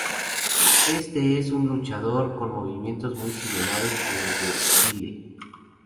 Este es un luchador con movimientos muy similares a los de Guile.